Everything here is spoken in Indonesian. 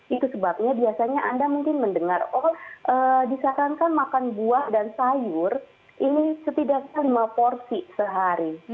itu sebabnya biasanya anda mungkin mendengar oh disarankan makan buah dan sayur ini setidaknya lima porsi sehari